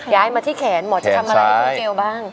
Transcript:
ย้ายมาที่แขนหมอจะทำอะไรให้คุณเกลบ้าง